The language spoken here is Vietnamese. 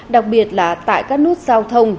đặc biệt là tại các nút giao thông